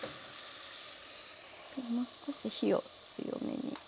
もう少し火を強めに。